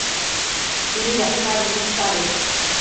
¿midapadibi isade?